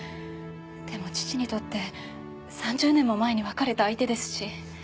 でも父にとって３０年も前に別れた相手ですし。